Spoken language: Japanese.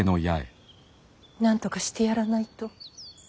なんとかしてやらないと。